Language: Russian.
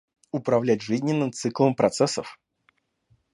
Управлять жизненным циклом процессов